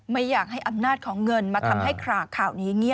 ไม่อยากให้อำนาจของเงินมาทำให้ข่าวนี้เงียบ